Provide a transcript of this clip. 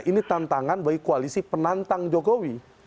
ini tantangan bagi koalisi penantang jokowi